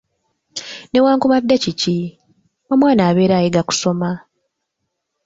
Newankubadde kiki, omwana abeera ayiga kusoma.